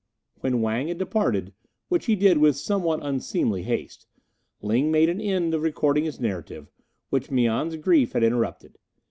When Wang had departed, which he did with somewhat unseemly haste, Ling made an end of recording his narrative, which Mian's grief had interrupted.